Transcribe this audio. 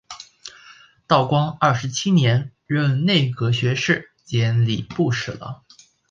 道光二十七年任内阁学士兼礼部侍郎。